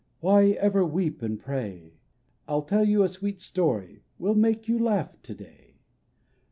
Why ever weep and pray? I'll tell you a sweet story Will make you laugh to day